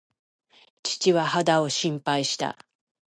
父は肌を心配した。